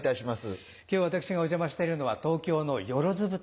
今日私がお邪魔しているのは東京のよろず舞台。